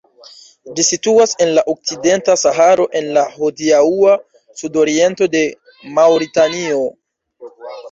Ĝi situas en la okcidenta Saharo en la hodiaŭa sudoriento de Maŭritanio.